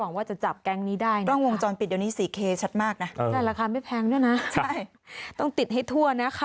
หวังว่าจะจับแกงนี้ได้น่ะ